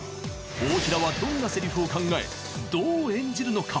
大平は、どんなセリフを考えどう演じるのか。